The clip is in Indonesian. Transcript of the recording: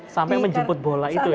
sampai menjemput bola itu ya